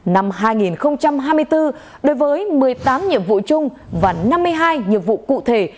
năm hai nghìn hai mươi bốn đối với một mươi tám nhiệm vụ chung và năm mươi hai nhiệm vụ cụ thể